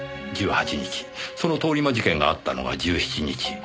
その通り魔事件があったのが１７日。